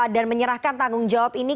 dan menyerahkan tanggung jawab ini